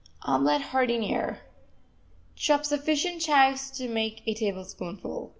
OMELET JARDINIERE Chop sufficient chives to make a tablespoonful.